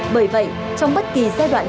bởi vậy trong bất kỳ giai đoạn